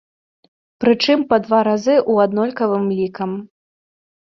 Прычым па два разы ў аднолькавым лікам.